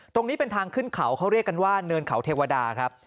ตรงนี้เป็นทางขึ้นเขาเขาเรียกกันว่าเนินเขาเทวดาครับ